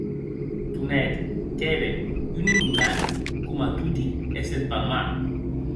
Tonet qu’ère un ignorant, coma toti es deth Palmar.